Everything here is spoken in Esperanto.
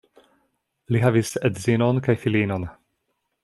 Li havis edzinon kaj filinon.